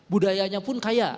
budayanya pun kaya